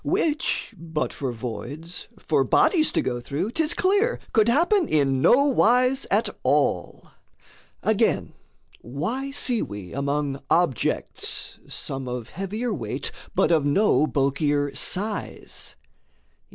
Which but for voids for bodies to go through 'Tis clear could happen in nowise at all. Again, why see we among objects some Of heavier weight, but of no bulkier size?